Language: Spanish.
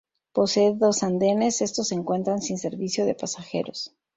Posee dos andenes, estos se encuentran sin servicio de pasajeros.